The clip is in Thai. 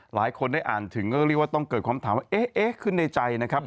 หลายคนได้อ่านถึงก็เรียกว่าต้องเกิดความถามว่าเอ๊ะขึ้นในใจนะครับ